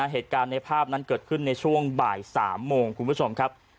เหตุการณ์ในภาพนั้นเกิดขึ้นในช่วงบ่าย๓โมงคุณผู้ชมครับ